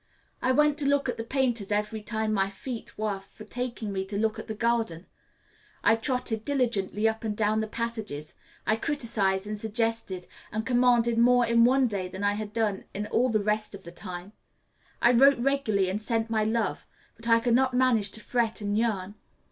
I went to look at the painters every time my feet were for taking me to look at the garden; I trotted diligently up and down the passages; I criticised and suggested and commanded more in one day than I had done in all the rest of the time; I wrote regularly and sent my love; but I could not manage to fret and yearn.